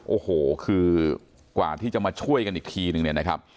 โอ้โหคือกว่าที่จะมาช่วยกันอีกทีนึงเนี่ยนะครับ